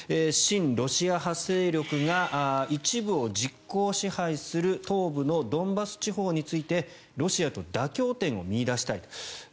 親ロシア派勢力が一部を実効支配する東部のドンバス地方についてロシアと妥協点を見いだしたいと。